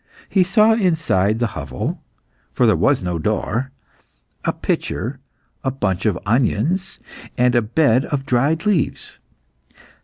He saw inside the hovel for there was no door a pitcher, a bunch of onions, and a bed of dried leaves.